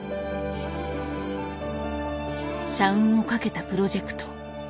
社運を懸けたプロジェクト。